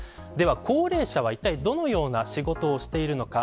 高齢者はいったいどのような仕事をしているのか。